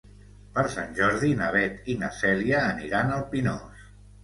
Per Sant Jordi na Beth i na Cèlia aniran al Pinós.